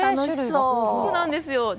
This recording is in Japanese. そうなんですよ。